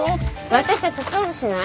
私たちと勝負しない？